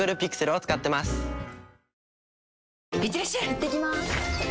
いってきます！